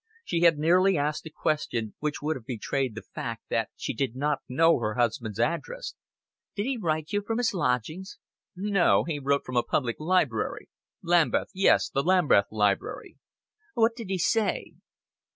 She had nearly asked a question which would have betrayed the fact that she did not know her husband's address. "Did he write from his lodgings?" "No, he wrote from a public library. Lambeth yes, the Lambeth Library." "What did he say?"